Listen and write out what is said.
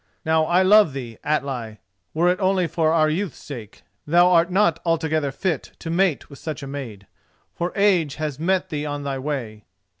Now, I love thee, Atli, were it only for our youth's sake, and thou art not altogether fit to mate with such a maid, for age has met thee on thy way.